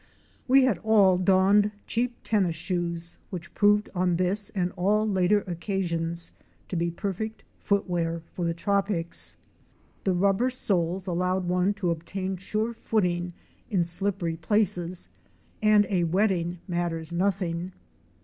We had all donned cheap tennis shoes which proved on this and all later occasions to be perfect footwear for the tropics. The rubber soles allow one to obtain sure footing in slippery places and a wetting matters nothing.